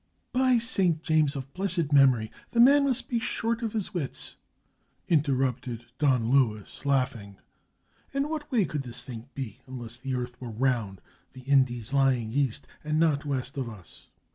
"By St. James of blessed memory! the man must be short of his wits! " interrupted Don Luis, laughing. "In what way could this thing be, unless the earth were round — the Indies lying east, and not west of us?